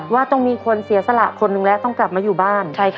ว่าต้องมีคนเสียสละคนหนึ่งแล้วต้องกลับมาอยู่บ้าน